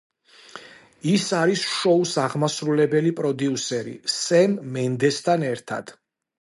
ის არის შოუს აღმასრულებელი პროდიუსერი სემ მენდესთან ერთად.